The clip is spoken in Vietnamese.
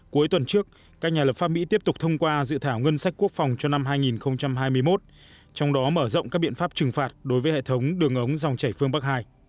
cuối tuần trước các nhà lập pháp mỹ tiếp tục thông qua dự thảo ngân sách quốc phòng cho năm hai nghìn hai mươi một trong đó mở rộng các biện pháp trừng phạt đối với hệ thống đường ống dòng chảy phương bắc hai